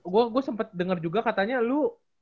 gue sempet denger juga katanya lu